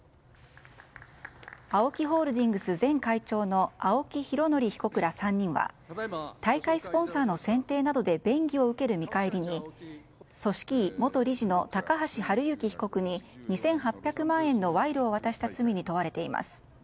ＡＯＫＩホールディングス前会長の青木拡憲被告ら３人は大会スポンサーの選定などで便宜を受ける見返りに組織委元理事の高橋被告に２８００万円の賄賂を渡した罪に問われています。